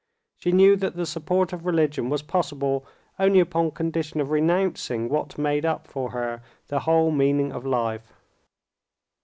She knew that the support of religion was possible only upon condition of renouncing what made up for her the whole meaning of life.